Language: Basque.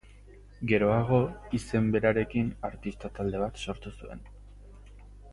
Geroago izen berarekin artista talde bat sortu zen.